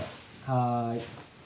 はい。